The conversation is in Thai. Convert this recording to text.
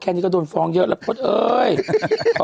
เกราะตลอดฟ้องเยอะละพลดเกอบ